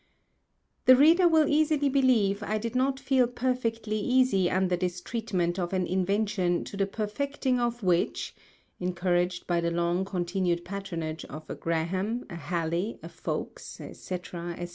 The Reader will easily believe I did not feel perfectly easy under this Treatment of an Invention to the perfecting of which (encouraged by the long continued Patronage of a Graham, a Halley, a Folkes, &c.